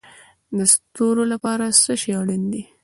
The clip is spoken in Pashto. د ستورو لپاره څه شی اړین دی؟